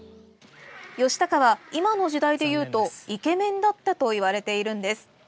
義高は今の時代でいうとイケメンだったと言われているんです。